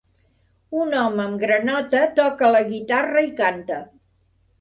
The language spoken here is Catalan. Un home amb granota toca la guitarra i canta.